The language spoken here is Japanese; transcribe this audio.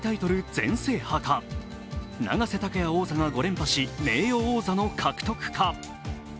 全制覇か、永瀬拓矢王座が５連覇し名誉王座の獲得か？